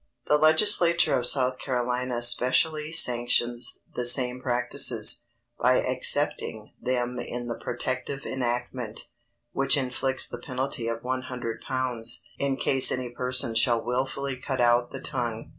_ The Legislature of South Carolina specially sanctions the same practices, by excepting them in the "protective enactment," which inflicts the penalty of one hundred pounds "in case any person shall wilfully cut out the tongue," &c.